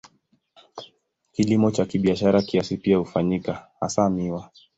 Kilimo cha kibiashara kiasi pia hufanyika, hasa miwa.